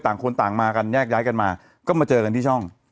ต่างคนต่างมากันแยกย้ายกันมาก็มาเจอกันที่ช่อง